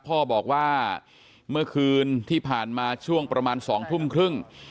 พ่อบอกว่าเมื่อคืนที่ผ่านมาช่วงประมาณ๒ทุ่มครึ่ง